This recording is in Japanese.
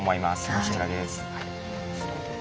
こちらです。